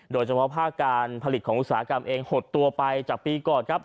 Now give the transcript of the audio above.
โดยเฉพาะภาคการผลิตของอุตสาหกรรมเองหดตัวไปจากปีก่อนครับ